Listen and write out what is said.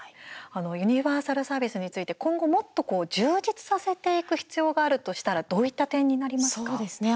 ユニバーサルサービスについて今後もっと充実させていく必要があるとしたらどういった点になりますか。